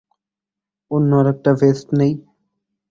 অন্য আরেকটা ভেস্ট নেই?